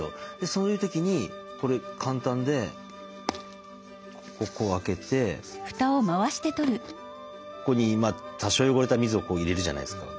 そういう時にこれ簡単でここ開けてここに多少汚れた水を入れるじゃないですか。